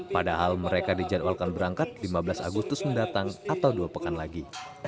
padahal mereka dijadwalkan berangkat lima belas agustus mendatang atau dua pekan lagi